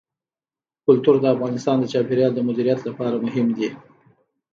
کلتور د افغانستان د چاپیریال د مدیریت لپاره مهم دي.